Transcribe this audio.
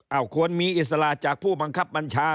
เอาควรมีอิสระจากผู้บังคับบัญชา